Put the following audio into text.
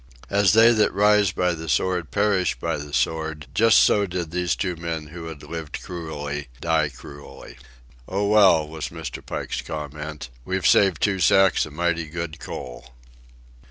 As they that rise by the sword perish by the sword, just so did these two men who had lived cruelly die cruelly. "Oh, well," was Mr. Pike's comment, "we've saved two sacks of mighty good coal."